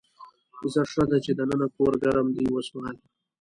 ځه ښه ده چې دننه کور ګرم دی اوسمهال.